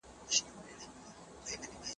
حکومت پاملرنه نه کوله.